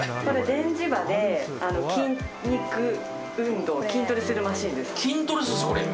電磁波で、筋肉運動筋トレするマシンです。